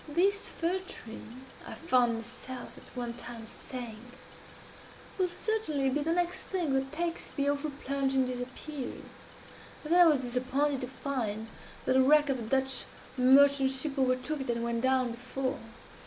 'This fir tree,' I found myself at one time saying, 'will certainly be the next thing that takes the awful plunge and disappears,' and then I was disappointed to find that the wreck of a Dutch merchant ship overtook it and went down before.